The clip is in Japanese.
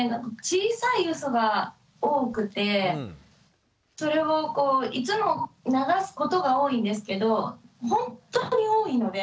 小さいうそが多くてそれをこういつも流すことが多いんですけど本当に多いので。